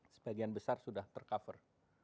sebagian besar sudah tercover